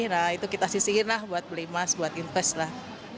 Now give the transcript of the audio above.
nah itu kita sisihin lah buat beli emas buat invest lah